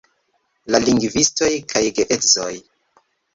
La lingvistoj kaj geedzoj